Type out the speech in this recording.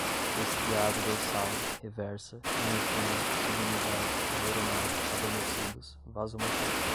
estriado dorsal, reversa, dinorfina, subunidade, neuronal, adormecidos, vasomotora